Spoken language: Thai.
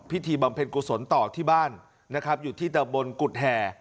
พิธีบำเพ็ญกุศลต่อที่บ้านอยู่ที่ตำบลกุฏแห่